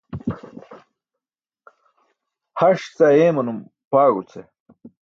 Harṣ ce ayeemanum, paaẏo ce.